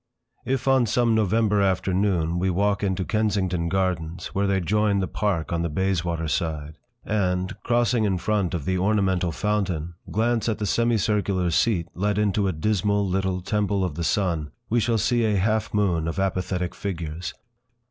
If, on some November afternoon, we walk into Kensington Gardens, where they join the Park on the Bayswater side, and, crossing in front of the ornamental fountain, glance at the semicircular seat let into a dismal little Temple of the Sun, we shall see a half moon of apathetic figures.